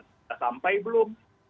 kita sampai belum